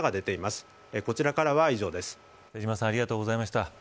瀬島さんありがとうございました。